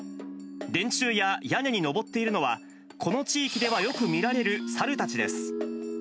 電柱や屋根に登っているのは、この地域ではよく見られるサルたちです。